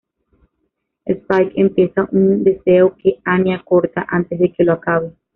Spike empieza un deseo que Anya corta antes de que lo acabe.